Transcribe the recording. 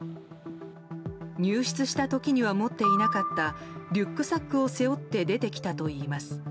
入室した時には持っていなかったリュックサックを背負って出てきたといいます。